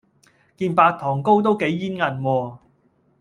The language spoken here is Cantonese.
件白糖糕都幾煙韌喎